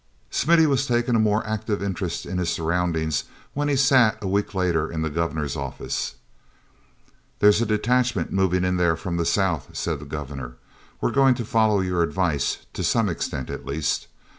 mithy was taking a more active interest in his surroundings when he sat a week later in the Governor's office. "There's a detachment moving in there from the south," said the Governor. "We're going to follow your advice, to some extent at least.